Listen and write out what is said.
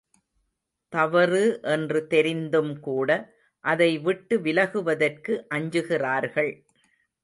தவறு என்று தெரிந்தும்கூட அதைவிட்டு விலகுவதற்கு அஞ்சுகிறார்கள்.